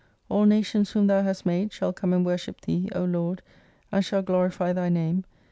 All nations whom Thou hast made, shall come and worship Thee, O Lord, and shall glorify Thy name.